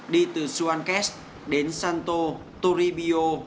đi từ suan kess đến santo toribio